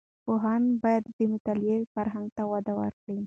پوهاند باید د مطالعې فرهنګ ته وده ورکړي.